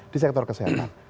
di sektor kesehatan